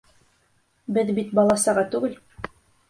Беҙ бит бала-саға түгел.